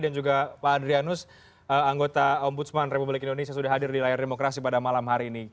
dan juga pak adrianus anggota ombudsman republik indonesia sudah hadir di layar demokrasi pada malam hari ini